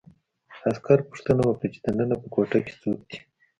عسکر پوښتنه وکړه چې دننه په کوټه کې څوک دي